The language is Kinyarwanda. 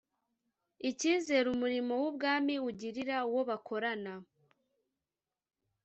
icyizere Umurimo w Ubwami ugirira uwo bakorana